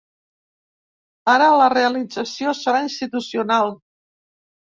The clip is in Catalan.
Ara, la realització serà institucional.